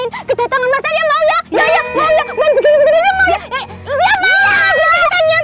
lebih waspada lagi ya